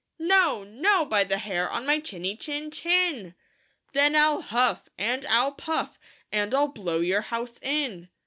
"No, No, by the Hair on my Chinny Chin Chin !"" Then I'll huff, and I'll puff, and I'll blow your house in."